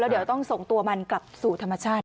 เดี๋ยวต้องส่งตัวมันกลับสู่ธรรมชาติ